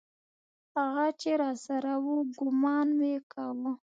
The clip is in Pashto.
هغه چې راسره و ګومان مې کاوه.